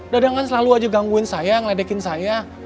dadang kan selalu aja gangguin saya ngeledekin saya